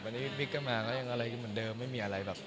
คือคุณผมก็ไม่รู้นะครับ